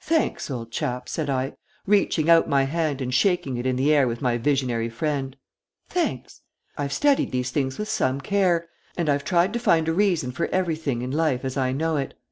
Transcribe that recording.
"Thanks, old chap," said I, reaching out my hand and shaking it in the air with my visionary friend "thanks. I've studied these things with some care, and I've tried to find a reason for everything in life as I know it.